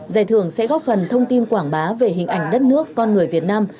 giải thưởng sẽ góp phần thông tin quảng bá về hình ảnh đất nước con người việt nam